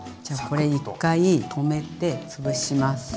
じゃこれ１回止めてつぶします。